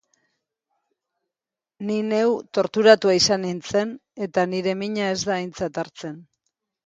Ni neu torturatua izan nintzen eta nire mina ez da aintzat hartzen.